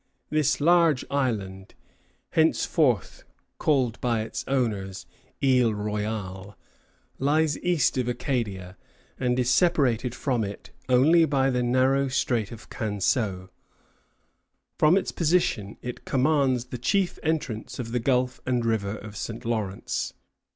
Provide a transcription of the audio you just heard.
This large island, henceforth called by its owners Isle Royale, lies east of Acadia, and is separated from it only by the narrow Strait of Canseau. From its position, it commands the chief entrance of the gulf and river of St. Lawrence.